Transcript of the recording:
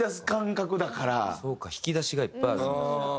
そうか引き出しがいっぱいある。